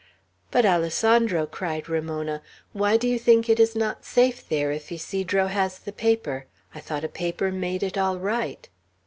"But, Alessandro," cried Ramona, "why do you think it is not safe there, if Ysidro has the paper? I thought a paper made it all right."